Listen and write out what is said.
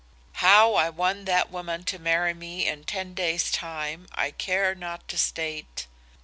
"How I won that woman to marry me in ten days time I care not to state.